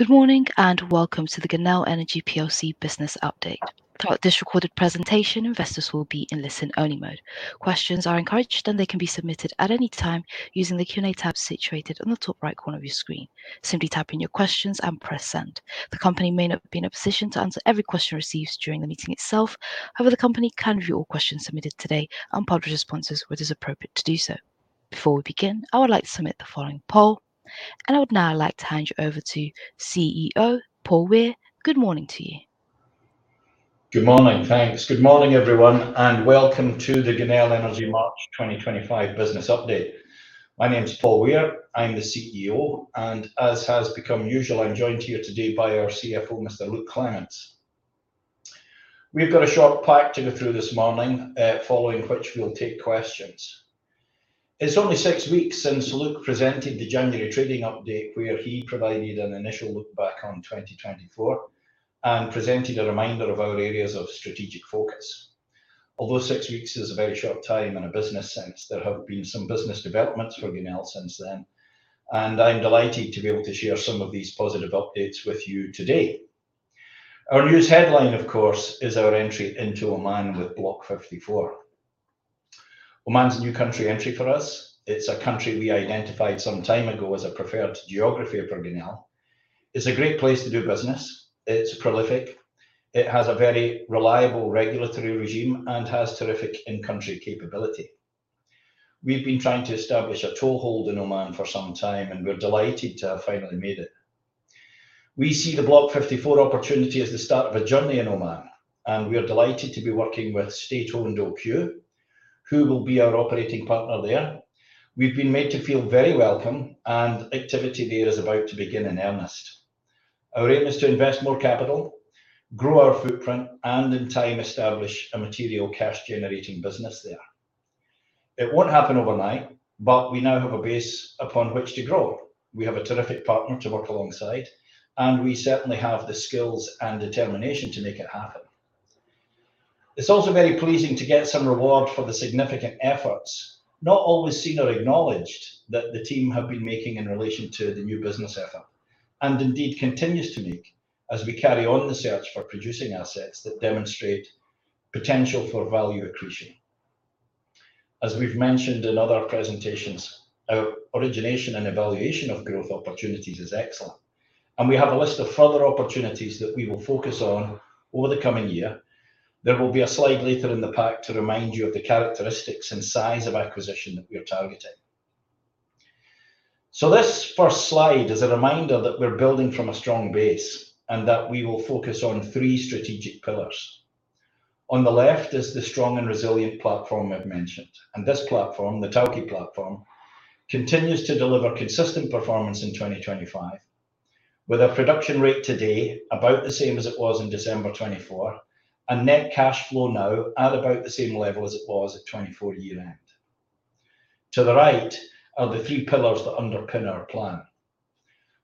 Good morning and welcome to the Genel Energy Business Update. Throughout this recorded presentation, investors will be in listen-only mode. Questions are encouraged, and they can be submitted at any time using the Q&A tab situated on the top right corner of your screen. Simply type in your questions and press send. The company may not be in a position to answer every question received during the meeting itself. However, the company can review all questions submitted today and publish responses where it is appropriate to do so. Before we begin, I would like to submit the following poll, and I would now like to hand you over to CEO Paul Weir. Good morning to you. Good morning, thanks. Good morning, everyone, and welcome to the Genel Energy March 2025 Business Update. My name is Paul Weir. I'm the CEO, and as has become usual, I'm joined here today by our CFO, Mr. Luke Clements. We've got a short pack to go through this morning, following which we'll take questions. It's only six weeks since Luke presented the January trading update, where he provided an initial look back on 2024 and presented a reminder of our areas of strategic focus. Although six weeks is a very short time in a business sense, there have been some business developments for Genel since then, and I'm delighted to be able to share some of these positive updates with you today. Our news headline, of course, is our entry into Oman with Block 54. Oman's a new country entry for us. It's a country we identified some time ago as a preferred geography for Genel. It's a great place to do business. It's prolific. It has a very reliable regulatory regime and has terrific in-country capability. We've been trying to establish a toehold in Oman for some time, and we're delighted to have finally made it. We see the Block 54 opportunity as the start of a journey in Oman, and we're delighted to be working with state-owned OQ, who will be our operating partner there. We've been made to feel very welcome, and activity there is about to begin in earnest. Our aim is to invest more capital, grow our footprint, and in time establish a material cash-generating business there. It won't happen overnight, but we now have a base upon which to grow. We have a terrific partner to work alongside, and we certainly have the skills and determination to make it happen. It's also very pleasing to get some reward for the significant efforts, not always seen or acknowledged, that the team have been making in relation to the new business effort, and indeed continues to make as we carry on the search for producing assets that demonstrate potential for value accretion. As we've mentioned in other presentations, our origination and evaluation of growth opportunities is excellent, and we have a list of further opportunities that we will focus on over the coming year. There will be a slide later in the pack to remind you of the characteristics and size of acquisition that we are targeting. This first slide is a reminder that we're building from a strong base and that we will focus on three strategic pillars. On the left is the strong and resilient platform we've mentioned, and this platform, the Tawke platform, continues to deliver consistent performance in 2025, with a production rate today about the same as it was in December 2024, and net cash flow now at about the same level as it was at 2024 year-end. To the right are the three pillars that underpin our plan.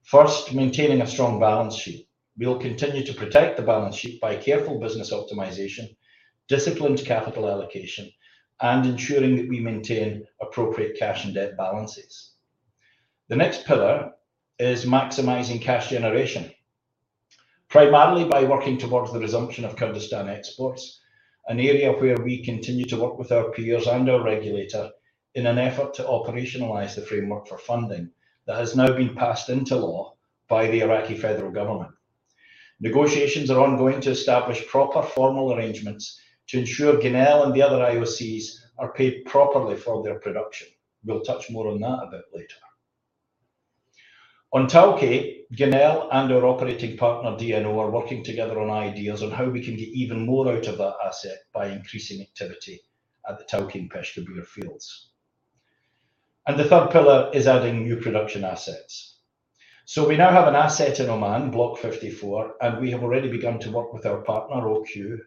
First, maintaining a strong balance sheet. We'll continue to protect the balance sheet by careful business optimization, disciplined capital allocation, and ensuring that we maintain appropriate cash and debt balances. The next pillar is maximizing cash generation, primarily by working towards the resumption of Kurdistan exports, an area where we continue to work with our peers and our regulator in an effort to operationalize the framework for funding that has now been passed into law by the Iraqi federal government. Negotiations are ongoing to establish proper formal arrangements to ensure Genel and the other IOCs are paid properly for their production. We'll touch more on that a bit later. On Tawke, Genel and our operating partner, DNO, are working together on ideas on how we can get even more out of that asset by increasing activity at the Tawke and Peshkabur fields. The third pillar is adding new production assets. We now have an asset in Oman, Block 54, and we have already begun to work with our partner, OQ,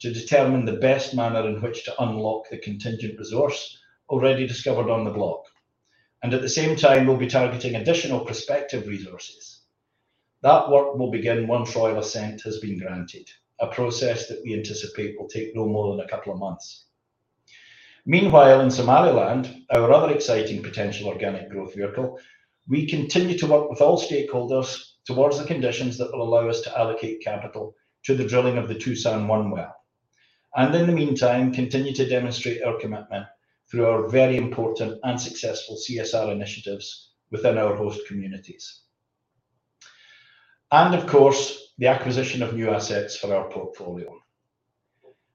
to determine the best manner in which to unlock the contingent resource already discovered on the block. At the same time, we'll be targeting additional prospective resources. That work will begin once royal assent has been granted, a process that we anticipate will take no more than a couple of months. Meanwhile, in Somaliland, our other exciting potential organic growth vehicle, we continue to work with all stakeholders towards the conditions that will allow us to allocate capital to the drilling of the Toosan-1 Well, and in the meantime, continue to demonstrate our commitment through our very important and successful CSR initiatives within our host communities. Of course, the acquisition of new assets for our portfolio.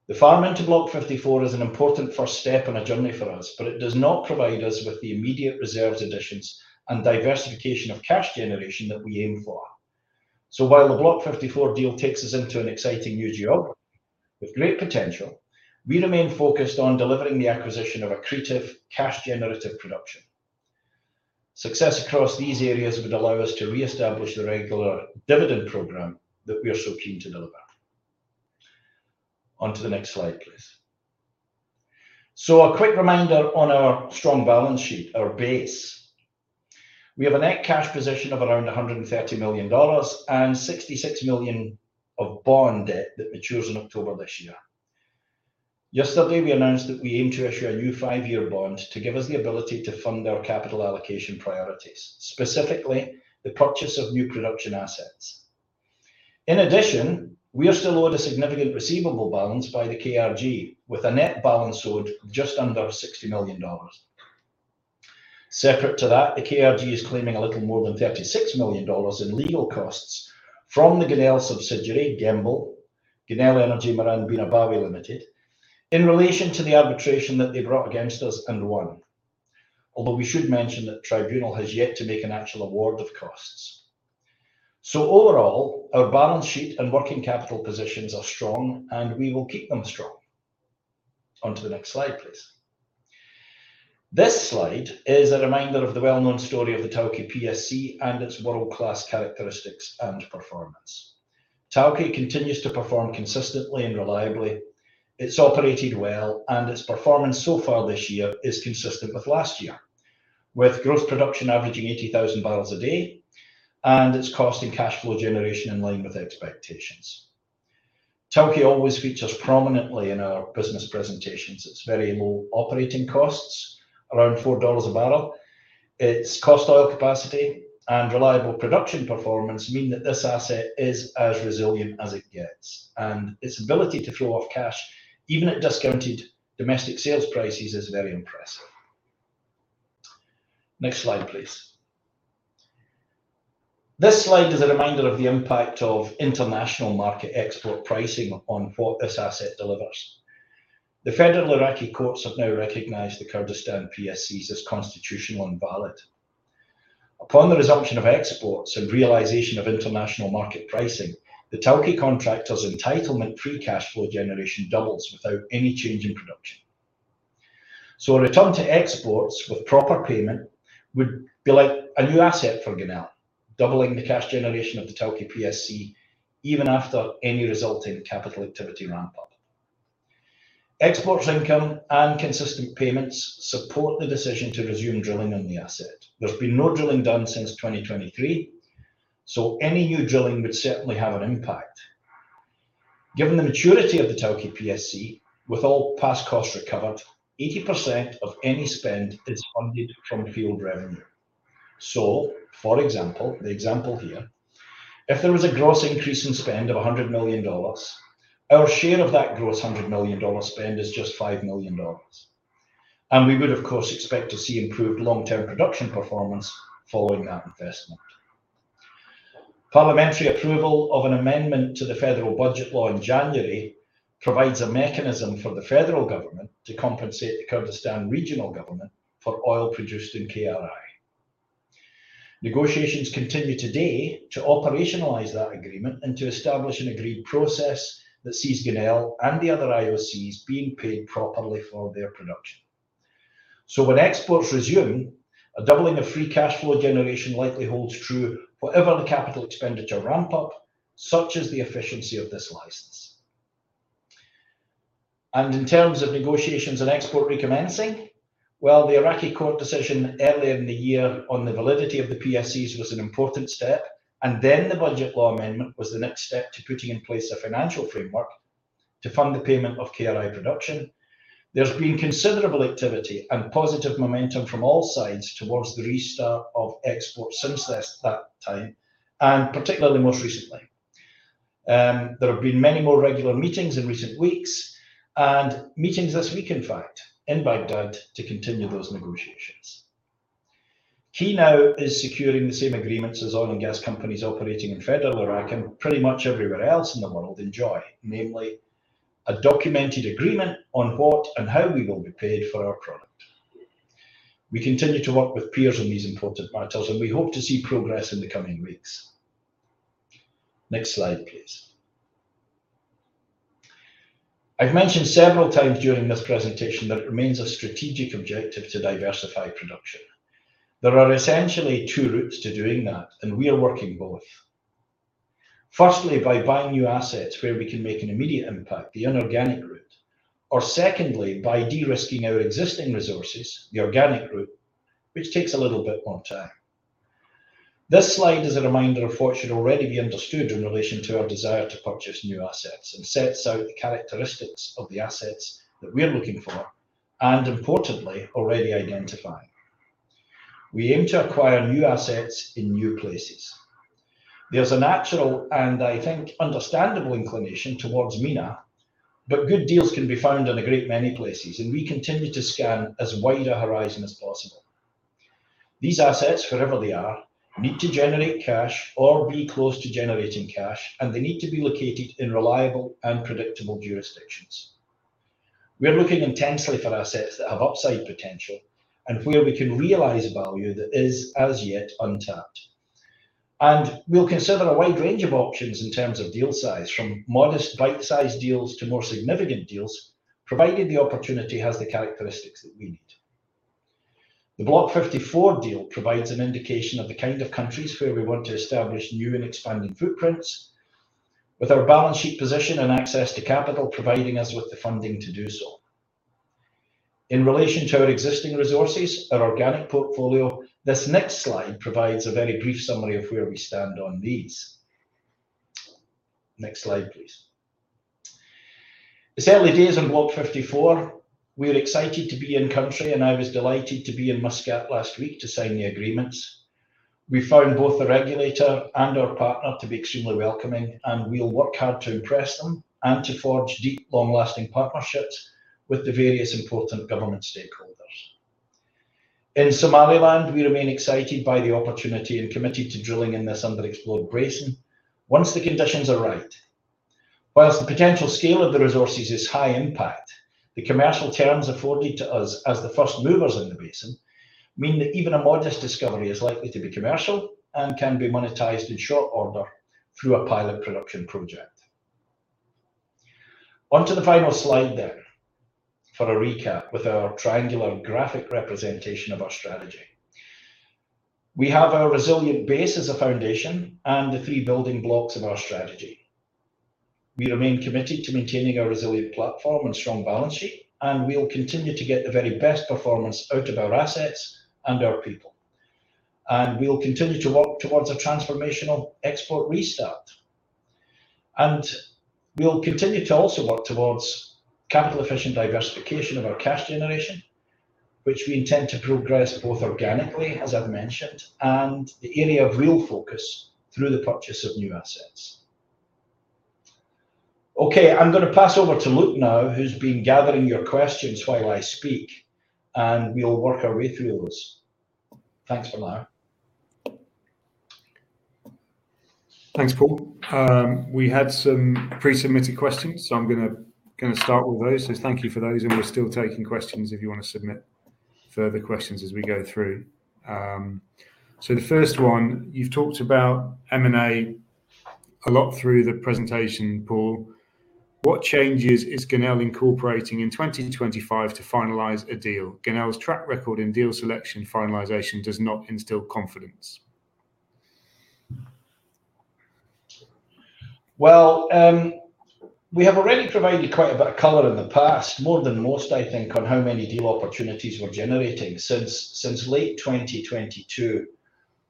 The farm into Block 54 is an important first step in a journey for us, but it does not provide us with the immediate reserves additions and diversification of cash generation that we aim for. While the Block 54 deal takes us into an exciting new geography with great potential, we remain focused on delivering the acquisition of accretive cash-generative production. Success across these areas would allow us to reestablish the regular dividend program that we are so keen to deliver. On to the next slide, please. A quick reminder on our strong balance sheet, our base. We have a net cash position of around $130 million and $66 million of bond debt that matures in October this year. Yesterday, we announced that we aim to issue a new five-year bond to give us the ability to fund our capital allocation priorities, specifically the purchase of new production assets. In addition, we are still owed a significant receivable balance by the KRG, with a net balance owed just under $60 million. Separate to that, the KRG is claiming a little more than $36 million in legal costs from the Genel subsidiary, GEMBL, Genel Energy Miran Bina Bawi Limited, in relation to the arbitration that they brought against us and won. Although we should mention that the tribunal has yet to make an actual award of costs. Overall, our balance sheet and working capital positions are strong, and we will keep them strong. On to the next slide, please. This slide is a reminder of the well-known story of the Tawke PSC and its world-class characteristics and performance. Tawke continues to perform consistently and reliably. It's operated well, and its performance so far this year is consistent with last year, with gross production averaging 80,000 barrels a day and its cost and cash flow generation in line with expectations. Tawke always features prominently in our business presentations. Its very low operating costs, around $4 a barrel, its cost oil capacity, and reliable production performance mean that this asset is as resilient as it gets, and its ability to throw off cash, even at discounted domestic sales prices, is very impressive. Next slide, please. This slide is a reminder of the impact of international market export pricing on what this asset delivers. The federal Iraqi courts have now recognized the Kurdistan PSCs as constitutional and valid. Upon the resumption of exports and realization of international market pricing, the Tawke contractor's entitlement free cash flow generation doubles without any change in production. A return to exports with proper payment would be like a new asset for Genel, doubling the cash generation of the Tawke PSC even after any resulting capital activity ramp-up. Exports income and consistent payments support the decision to resume drilling on the asset. There's been no drilling done since 2023, so any new drilling would certainly have an impact. Given the maturity of the Tawke PSC, with all past costs recovered, 80% of any spend is funded from field revenue. For example, the example here, if there was a gross increase in spend of $100 million, our share of that gross $100 million spend is just $5 million. We would, of course, expect to see improved long-term production performance following that investment. Parliamentary approval of an amendment to the federal budget law in January provides a mechanism for the federal government to compensate the Kurdistan Regional Government for oil produced in KRI. Negotiations continue today to operationalize that agreement and to establish an agreed process that sees Genel and the other IOCs being paid properly for their production. When exports resume, a doubling of free cash flow generation likely holds true for ever the capital expenditure ramp-up, such as the efficiency of this license. In terms of negotiations and export recommencing, while the Iraqi court decision earlier in the year on the validity of the PSCs was an important step, and then the budget law amendment was the next step to putting in place a financial framework to fund the payment of KRI production, there has been considerable activity and positive momentum from all sides towards the restart of exports since that time, and particularly most recently. There have been many more regular meetings in recent weeks, and meetings this week, in fact, in Baghdad to continue those negotiations. Key now is securing the same agreements as oil and gas companies operating in federal Iraq and pretty much everywhere else in the world enjoy, namely a documented agreement on what and how we will be paid for our product. We continue to work with peers on these important matters, and we hope to see progress in the coming weeks. Next slide, please. I've mentioned several times during this presentation that it remains a strategic objective to diversify production. There are essentially two routes to doing that, and we are working both. Firstly, by buying new assets where we can make an immediate impact, the inorganic route, or secondly, by de-risking our existing resources, the organic route, which takes a little bit more time. This slide is a reminder of what should already be understood in relation to our desire to purchase new assets and sets out the characteristics of the assets that we're looking for and, importantly, already identifying. We aim to acquire new assets in new places. There's a natural and, I think, understandable inclination towards MENA, but good deals can be found in a great many places, and we continue to scan as wide a horizon as possible. These assets, wherever they are, need to generate cash or be close to generating cash, and they need to be located in reliable and predictable jurisdictions. We're looking intensely for assets that have upside potential and where we can realize value that is, as yet, untapped. We will consider a wide range of options in terms of deal size, from modest bite-sized deals to more significant deals, provided the opportunity has the characteristics that we need. The Block 54 deal provides an indication of the kind of countries where we want to establish new and expanding footprints, with our balance sheet position and access to capital providing us with the funding to do so. In relation to our existing resources, our organic portfolio, this next slide provides a very brief summary of where we stand on these. Next slide, please. It's early days on Block 54. We're excited to be in country, and I was delighted to be in Muscat last week to sign the agreements. We found both the regulator and our partner to be extremely welcoming, and we'll work hard to impress them and to forge deep, long-lasting partnerships with the various important government stakeholders. In Somaliland, we remain excited by the opportunity and committed to drilling in this underexplored basin once the conditions are right. Whilst the potential scale of the resources is high impact, the commercial terms afforded to us as the first movers in the basin mean that even a modest discovery is likely to be commercial and can be monetized in short order through a pilot production project. Onto the final slide there for a recap with our triangular graphic representation of our strategy. We have our resilient base as a foundation and the three building blocks of our strategy. We remain committed to maintaining our resilient platform and strong balance sheet, and we will continue to get the very best performance out of our assets and our people. We will continue to work towards a transformational export restart. We will continue to also work towards capital-efficient diversification of our cash generation, which we intend to progress both organically, as I have mentioned, and the area of real focus through the purchase of new assets. Okay, I am going to pass over to Luke now, who has been gathering your questions while I speak, and we will work our way through those. Thanks for now. Thanks, Paul. We had some pre-submitted questions, so I am going to start with those. Thank you for those, and we're still taking questions if you want to submit further questions as we go through. The first one, you've talked about M&A a lot through the presentation, Paul. What changes is Genel incorporating in 2025 to finalize a deal? Genel's track record in deal selection finalization does not instill confidence. We have already provided quite a bit of color in the past, more than most, I think, on how many deal opportunities we're generating. Since late 2022,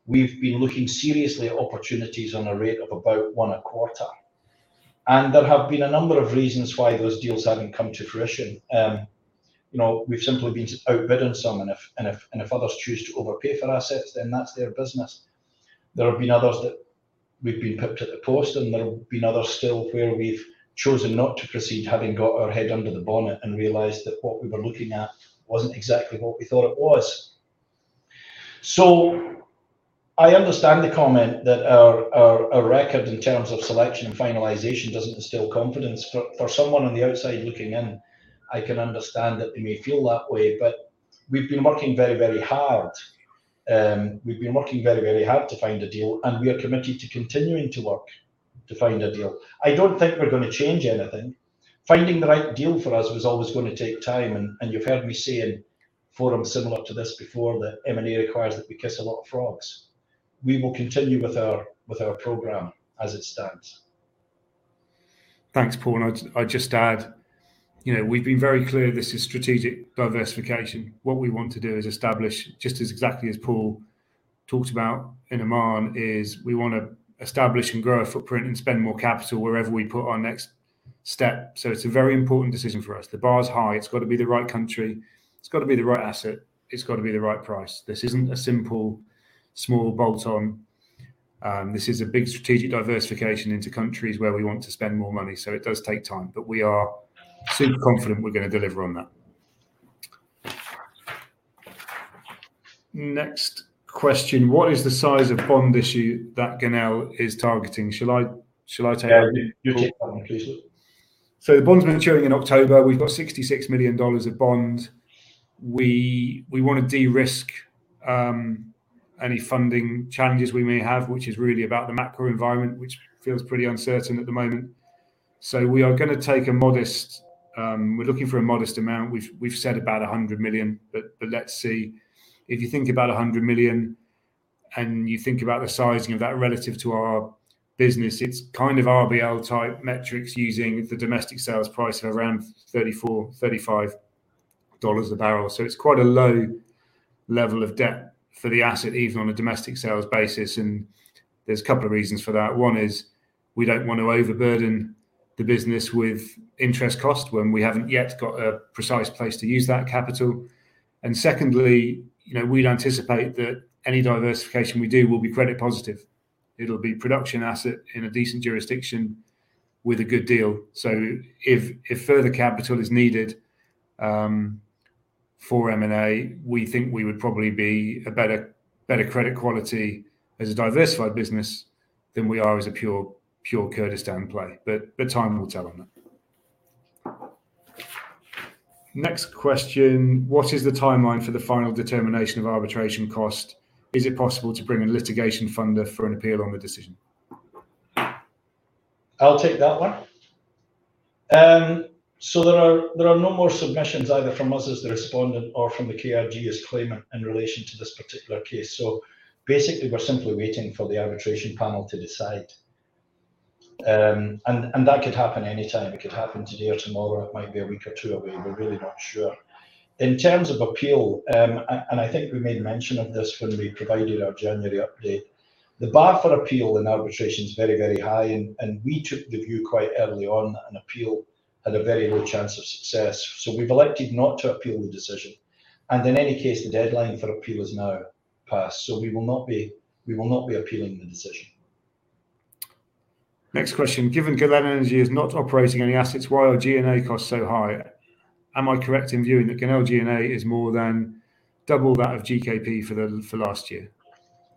we've been looking seriously at opportunities on a rate of about one a quarter. There have been a number of reasons why those deals haven't come to fruition. We've simply been outbidding some, and if others choose to overpay for assets, then that's their business. There have been others that we've been pipped at the post, and there have been others still where we've chosen not to proceed, having got our head under the bonnet and realized that what we were looking at wasn't exactly what we thought it was. I understand the comment that our record in terms of selection and finalization doesn't instill confidence. For someone on the outside looking in, I can understand that they may feel that way, but we've been working very, very hard. We've been working very, very hard to find a deal, and we are committed to continuing to work to find a deal. I don't think we're going to change anything. Finding the right deal for us was always going to take time, and you've heard me say in forums similar to this before that M&A requires that we kiss a lot of frogs. We will continue with our program as it stands. Thanks, Paul. I would just add, we have been very clear this is strategic diversification. What we want to do is establish, just as exactly as Paul talked about in Oman, we want to establish and grow a footprint and spend more capital wherever we put our next step. It is a very important decision for us. The bar is high. It has to be the right country. It has to be the right asset. It has to be the right price. This is not a simple small bolt-on. This is a big strategic diversification into countries where we want to spend more money. It does take time, but we are super confident we are going to deliver on that. Next question. What is the size of bond issue that Genel is targeting? Shall I take that? The bond is maturing in October. We've got $66 million of bond. We want to de-risk any funding challenges we may have, which is really about the macro environment, which feels pretty uncertain at the moment. We are going to take a modest—we're looking for a modest amount. We've said about $100 million, but let's see. If you think about $100 million and you think about the sizing of that relative to our business, it's kind of RBL-type metrics using the domestic sales price of around $34-$35 a barrel. It's quite a low level of debt for the asset, even on a domestic sales basis. There are a couple of reasons for that. One is we don't want to overburden the business with interest cost when we haven't yet got a precise place to use that capital. Secondly, we'd anticipate that any diversification we do will be credit-positive. It'll be a production asset in a decent jurisdiction with a good deal. If further capital is needed for M&A, we think we would probably be a better credit quality as a diversified business than we are as a pure Kurdistan play. Time will tell on that. Next question. What is the timeline for the final determination of arbitration cost? Is it possible to bring a litigation funder for an appeal on the decision? I'll take that one. There are no more submissions either from us as the respondent or from the KRG as claimant in relation to this particular case. Basically, we're simply waiting for the arbitration panel to decide. That could happen anytime. It could happen today or tomorrow. It might be a week or two away. We're really not sure. In terms of appeal, and I think we made mention of this when we provided our January update, the bar for appeal in arbitration is very, very high, and we took the view quite early on that an appeal had a very low chance of success. We have elected not to appeal the decision. In any case, the deadline for appeal is now passed. We will not be appealing the decision. Next question. Given Genel Energy is not operating any assets while G&A costs so high, am I correct in viewing that Genel G&A is more than double that of GKP for last year?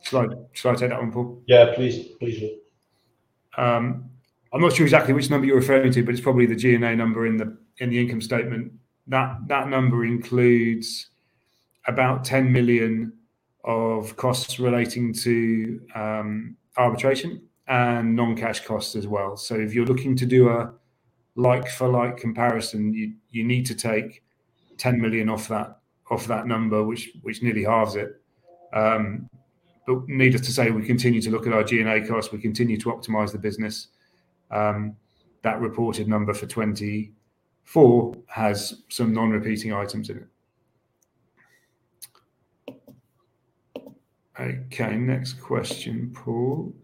Shall I take that one, Paul? Yeah, please. Please do. I'm not sure exactly which number you're referring to, but it's probably the G&A number in the income statement. That number includes about $10 million of costs relating to arbitration and non-cash costs as well. If you're looking to do a like-for-like comparison, you need to take $10 million off that number, which nearly halves it. Needless to say, we continue to look at our G&A costs. We continue to optimize the business. That reported number for 2024 has some non-repeating items in it. Next question, Paul.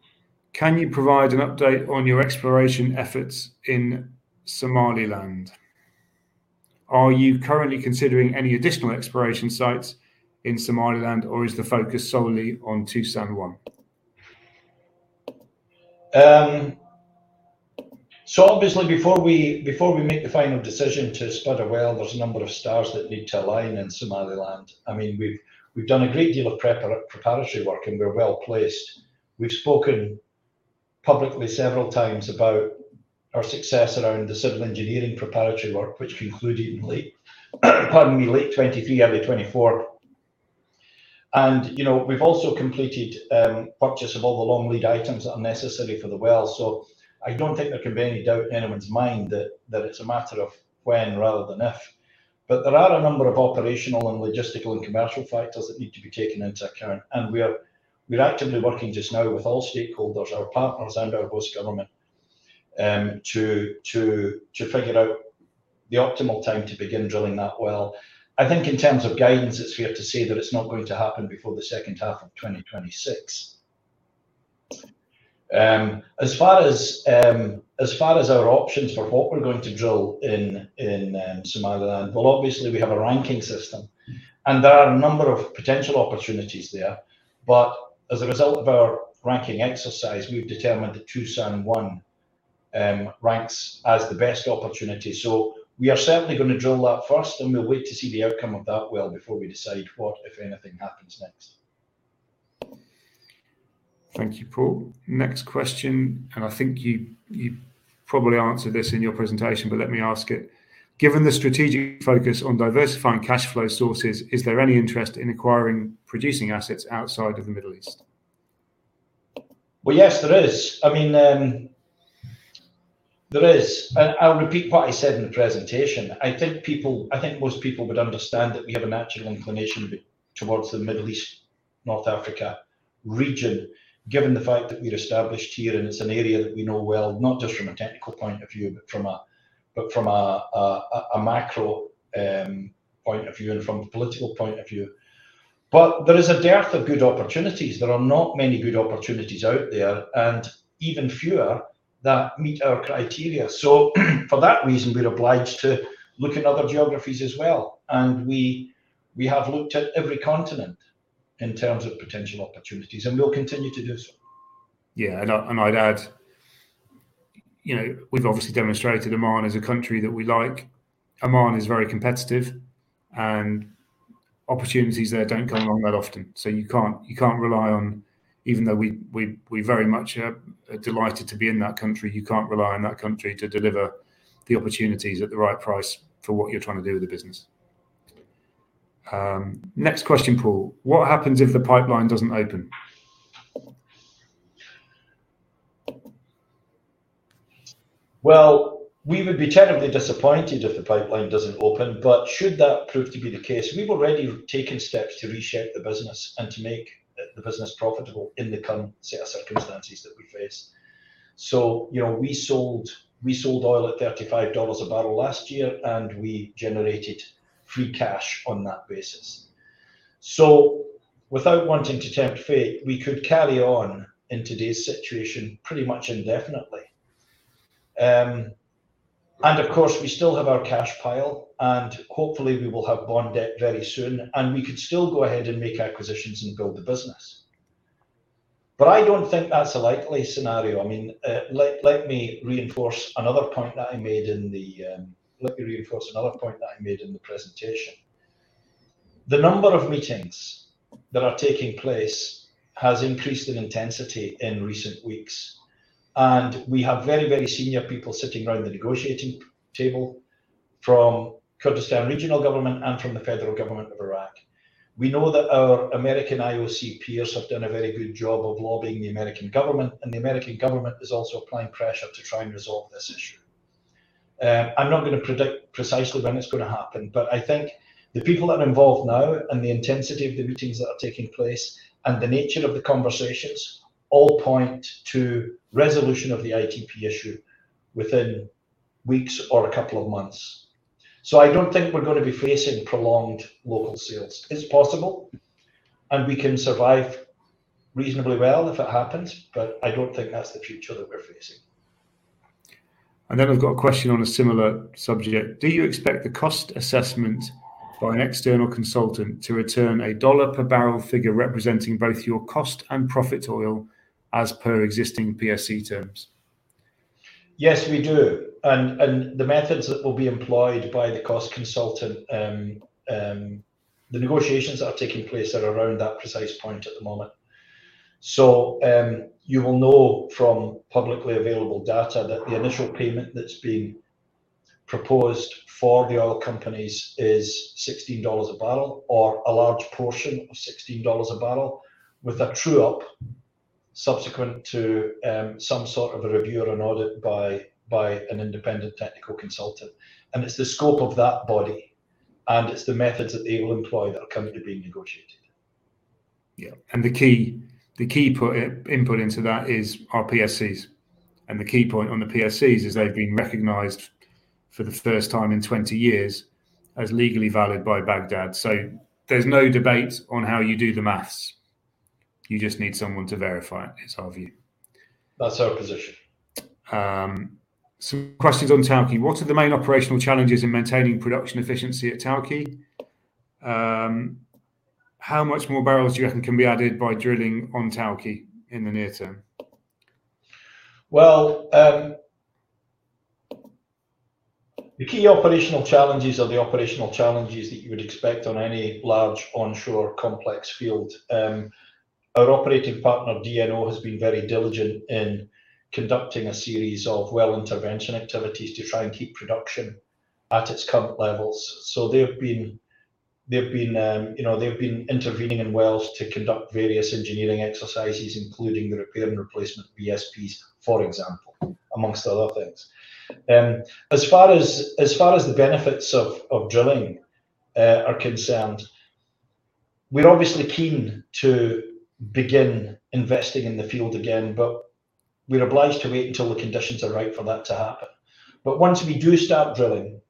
Can you provide an update on your exploration efforts in Somaliland? Are you currently considering any additional exploration sites in Somaliland, or is the focus solely on Toosan-1? Obviously, before we make the final decision to spud a well, there's a number of stars that need to align in Somaliland. I mean, we've done a great deal of preparatory work, and we're well placed. We've spoken publicly several times about our success around the civil engineering preparatory work, which concluded in late—pardon me—late 2023, early 2024. We've also completed purchase of all the long lead items that are necessary for the well. I don't think there can be any doubt in anyone's mind that it's a matter of when rather than if. There are a number of operational and logistical and commercial factors that need to be taken into account. We're actively working just now with all stakeholders, our partners, and our host government to figure out the optimal time to begin drilling that well. I think in terms of guidance, it's fair to say that it's not going to happen before the second half of 2026. As far as our options for what we're going to drill in Somaliland, obviously, we have a ranking system, and there are a number of potential opportunities there. As a result of our ranking exercise, we've determined that Toosan-1 ranks as the best opportunity. We are certainly going to drill that first, and we'll wait to see the outcome of that well before we decide what, if anything, happens next. Thank you, Paul. Next question. I think you probably answered this in your presentation, but let me ask it. Given the strategic focus on diversifying cash flow sources, is there any interest in acquiring producing assets outside of the Middle East? Yes, there is. I mean, there is. I'll repeat what I said in the presentation. I think most people would understand that we have a natural inclination towards the Middle East, North Africa region, given the fact that we're established here, and it's an area that we know well, not just from a technical point of view, but from a macro point of view and from a political point of view. There is a dearth of good opportunities. There are not many good opportunities out there, and even fewer that meet our criteria. For that reason, we're obliged to look at other geographies as well. We have looked at every continent in terms of potential opportunities, and we'll continue to do so. Yeah. I'd add, we've obviously demonstrated Oman as a country that we like. Oman is very competitive, and opportunities there don't come along that often. You can't rely on, even though we're very much delighted to be in that country, you can't rely on that country to deliver the opportunities at the right price for what you're trying to do with the business. Next question, Paul. What happens if the pipeline doesn't open? We would be terribly disappointed if the pipeline doesn't open, but should that prove to be the case, we've already taken steps to reshape the business and to make the business profitable in the current set of circumstances that we face. We sold oil at $35 a barrel last year, and we generated free cash on that basis. Without wanting to tempt fate, we could carry on in today's situation pretty much indefinitely. Of course, we still have our cash pile, and hopefully, we will have bond debt very soon, and we could still go ahead and make acquisitions and build the business. I do not think that is a likely scenario. I mean, let me reinforce another point that I made in the presentation. The number of meetings that are taking place has increased in intensity in recent weeks, and we have very, very senior people sitting around the negotiating table from Kurdistan Regional Government and from the federal government of Iraq. We know that our American IOC peers have done a very good job of lobbying the American government, and the American government is also applying pressure to try and resolve this issue. I'm not going to predict precisely when it's going to happen, but I think the people that are involved now and the intensity of the meetings that are taking place and the nature of the conversations all point to resolution of the ITP issue within weeks or a couple of months. I don't think we're going to be facing prolonged local sales. It's possible, and we can survive reasonably well if it happens, but I don't think that's the future that we're facing. We've got a question on a similar subject. Do you expect the cost assessment by an external consultant to return a dollar-per-barrel figure representing both your cost and profit oil as per existing PSC terms? Yes, we do. The methods that will be employed by the cost consultant, the negotiations that are taking place are around that precise point at the moment. You will know from publicly available data that the initial payment that's being proposed for the oil companies is $16 a barrel or a large portion of $16 a barrel with a true-up subsequent to some sort of a review or an audit by an independent technical consultant. It's the scope of that body, and it's the methods that they will employ that are currently being negotiated. Yeah. The key input into that is our PSCs. The key point on the PSCs is they've been recognized for the first time in 20 years as legally valid by Baghdad. There's no debate on how you do the maths. You just need someone to verify it, is our view. That's our position. Some questions on Tawke. What are the main operational challenges in maintaining production efficiency at Tawke. How much more barrels do you reckon can be added by drilling on Tawke in the near term? The key operational challenges are the operational challenges that you would expect on any large onshore complex field. Our operating partner, DNO, has been very diligent in conducting a series of well intervention activities to try and keep production at its current levels. They have been intervening in wells to conduct various engineering exercises, including the repair and replacement of ESPs, for example, amongst other things. As far as the benefits of drilling are concerned, we are obviously keen to begin investing in the field again, but we are obliged to wait until the conditions are right for that to happen. Once we do start drilling,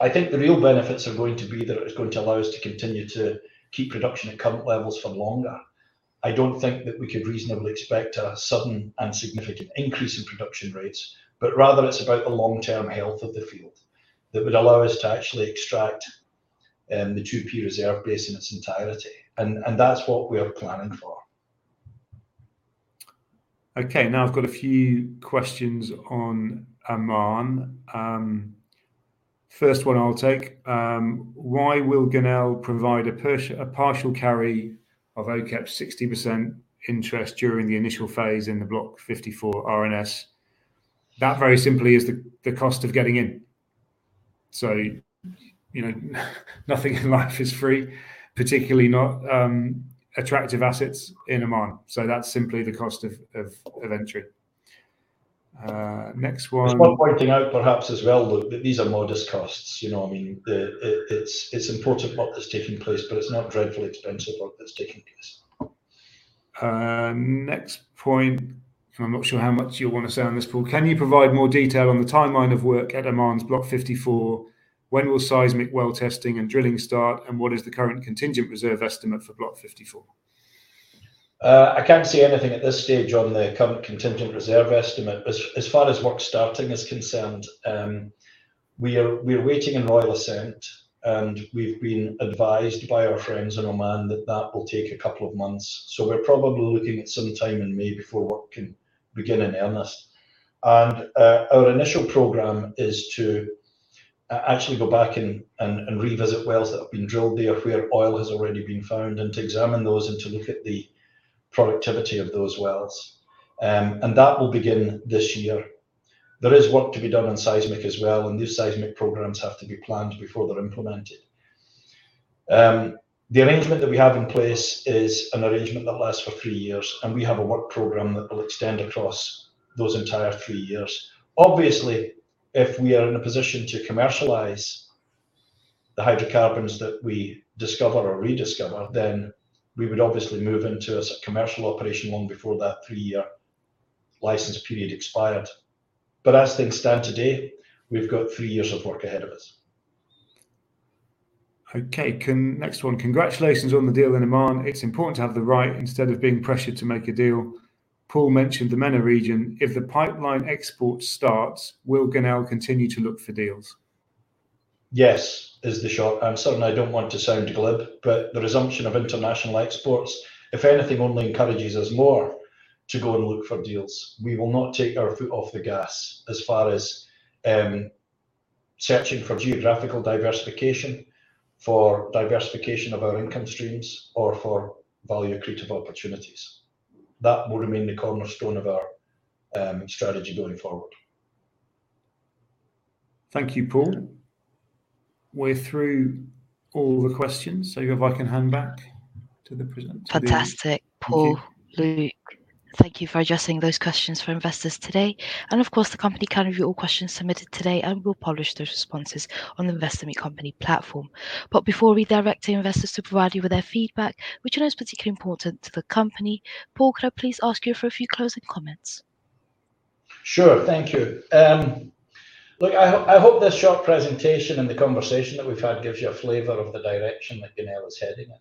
I think the real benefits are going to be that it is going to allow us to continue to keep production at current levels for longer. I don't think that we could reasonably expect a sudden and significant increase in production rates, but rather it's about the long-term health of the field that would allow us to actually extract the 2P reserve base in its entirety. That's what we are planning for. Okay. Now I've got a few questions on Oman. First one I'll take. Why will Genel provide a partial carry of OQ Exploration and Production's 60% interest during the initial phase in the Block 54 EPSA? That very simply is the cost of getting in. Nothing in life is free, particularly not attractive assets in Oman. That's simply the cost of entry. Next one. Just one pointing out perhaps as well that these are modest costs. I mean, it's important what that's taking place, but it's not dreadful expensive what that's taking place. Next point. I'm not sure how much you'll want to say on this, Paul. Can you provide more detail on the timeline of work at Oman's Block 54? When will seismic well testing and drilling start, and what is the current contingent resource estimate for Block 54? I can't see anything at this stage on the current contingent resource estimate. As far as work starting is concerned, we are waiting on royal assent, and we've been advised by our friends in Muscat that that will take a couple of months. We are probably looking at some time in May before work can begin in earnest. Our initial program is to actually go back and revisit wells that have been drilled there where oil has already been found and to examine those and to look at the productivity of those wells. That will begin this year. There is work to be done on seismic as well, and these seismic programs have to be planned before they're implemented. The arrangement that we have in place is an arrangement that lasts for three years, and we have a work program that will extend across those entire three years. Obviously, if we are in a position to commercialize the hydrocarbons that we discover or rediscover, then we would obviously move into a commercial operation long before that three-year license period expired. As things stand today, we've got three years of work ahead of us. Okay. Next one. Congratulations on the deal in Oman. It's important to have the right instead of being pressured to make a deal. Paul mentioned the Mena region. If the pipeline export starts, will Genel continue to look for deals? Yes, is the short answer. I do not want to sound glib, but the resumption of international exports, if anything, only encourages us more to go and look for deals. We will not take our foot off the gas as far as searching for geographical diversification, for diversification of our income streams, or for value creative opportunities. That will remain the cornerstone of our strategy going forward. Thank you, Paul. We are through all the questions, so if I can hand back to the presentation. Fantastic. Paul, Luke, thank you for addressing those questions for investors today. Of course, the company can review all questions submitted today, and we will publish those responses on the Investor Meet Company platform. Before we direct investors to provide you with their feedback, which is particularly important to the company, Paul, could I please ask you for a few closing comments? Sure. Thank you. Look, I hope this short presentation and the conversation that we've had gives you a flavor of the direction that Genel is heading in.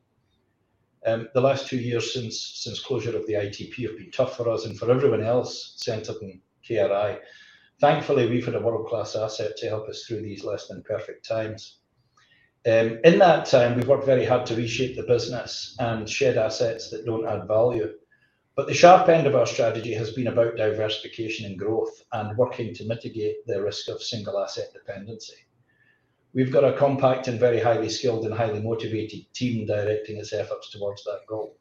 The last two years since closure of the ITP have been tough for us and for everyone else centered in KRI. Thankfully, we've had a world-class asset to help us through these less-than-perfect times. In that time, we've worked very hard to reshape the business and shed assets that don't add value. The sharp end of our strategy has been about diversification and growth and working to mitigate the risk of single-asset dependency. We've got a compact and very highly skilled and highly motivated team directing its efforts towards that goal.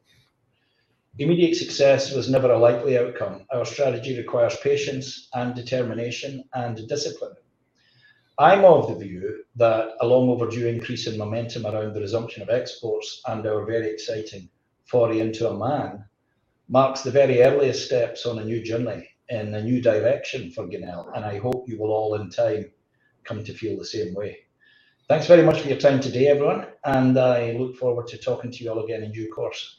Immediate success was never a likely outcome. Our strategy requires patience and determination and discipline. I'm of the view that a long-overdue increase in momentum around the resumption of exports and our very exciting foray into Oman marks the very earliest steps on a new journey and a new direction for Genel, and I hope you will all in time come to feel the same way. Thanks very much for your time today, everyone, and I look forward to talking to you all again in due course.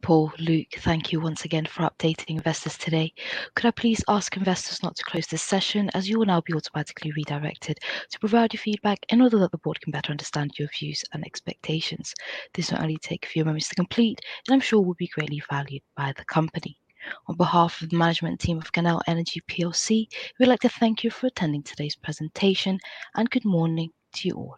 Paul, Luke, thank you once again for updating investors today. Could I please ask investors not to close this session as you will now be automatically redirected to provide your feedback in order that the board can better understand your views and expectations? This will only take a few moments to complete, and I'm sure will be greatly valued by the company. On behalf of the management team of Genel Energy, we'd like to thank you for attending today's presentation, and good morning to you all.